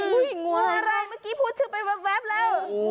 อะไรเมื่อกี้พูดชื่อไปแว๊บแล้ว